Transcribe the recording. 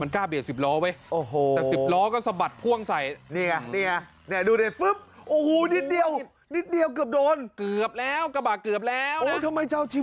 มันกล้าเบียนสิบล้อเว้ยโอ้โห